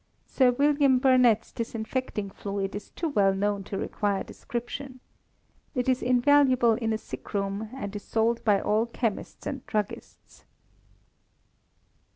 Sir William Burnett's disinfecting fluid is too well known to require description. It is invaluable in a sick room, and is sold by all chemists and druggists.